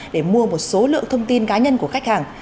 để mua một số lượng thông tin cá nhân của khách hàng